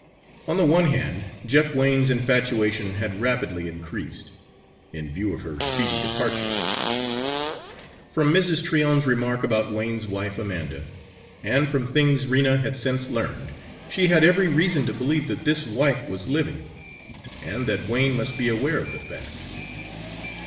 On the one hand, Jeff Wain's infatuation had rapidly increased, in view of her speedy departure. From Mrs. Tryon's remark about Wain's wife Amanda, and from things Rena had since learned, she had every reason to believe that this wife was living, and that Wain must be aware of the fact.